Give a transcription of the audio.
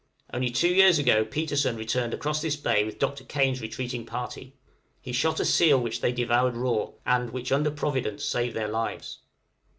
Only two years ago Petersen returned across this bay with Dr. Kane's retreating party; he shot a seal which they devoured raw, and which under Providence, saved their lives.